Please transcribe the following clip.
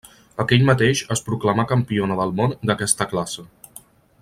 Aquell mateix es proclamà campiona del món d'aquesta classe.